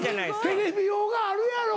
テレビ用があるやろ！